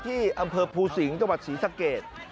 ที่อำเภอภูสิงห์จังหวัดศรีสะเกด